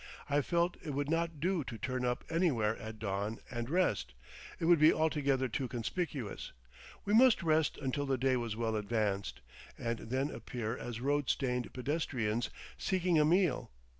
I felt it would not do to turn up anywhere at dawn and rest, it would be altogether too conspicuous; we must rest until the day was well advanced, and then appear as road stained pedestrians seeking a meal.